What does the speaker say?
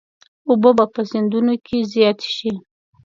اوبه به په سیندونو کې زیاتې شي.